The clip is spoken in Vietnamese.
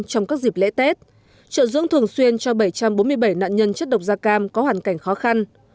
trong các dịp lễ tết trợ dưỡng thường xuyên cho bảy trăm bốn mươi bảy nạn nhân chất độc da cam có hoàn cảnh khó khăn